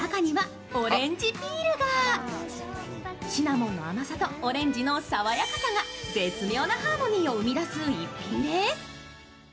シナモンの甘さとオレンジの爽やかさが絶妙なハーモニーを生み出す逸品です。